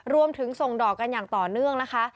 รวมถึงส่งดอกกันอย่างต่อเนื่องนะคะ